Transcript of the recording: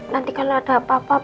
nanti kalau ada apa apa